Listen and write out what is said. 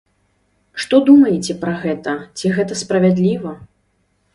Што думаеце пра гэта, ці гэта справядліва?